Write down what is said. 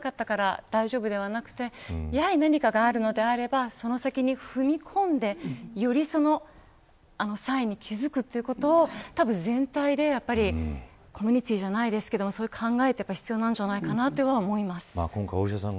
その子が何も言わなかったから大丈夫ではなくて何かがあるのであればその先に踏み込んでより、そのサインに気付くということを全体でコミュニティーじゃないですけどそういう考えは必要じゃないかなと思います。